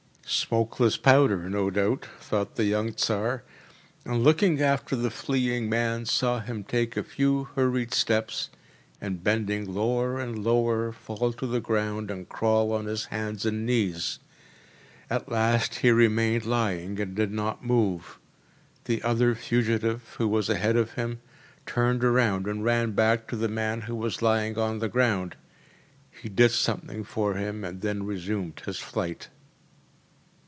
“Smokeless powder, no doubt,‚ÄĚ thought the young Tsar, and looking after the fleeing man saw him take a few hurried steps, and bending lower and lower, fall to the ground and crawl on his hands and knees. At last he remained lying and did not move. The other fugitive, who was ahead of him, turned round and ran back to the man who was lying on the ground. He did something for him and then resumed his flight.